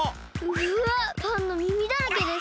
うわパンのみみだらけです！